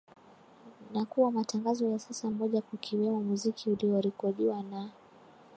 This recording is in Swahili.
na kuwa matangazo ya saa moja kukiwemo muziki uliorekodiwa na